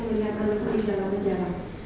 melihat anakku di dalam jalan